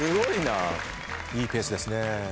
いいペースですね。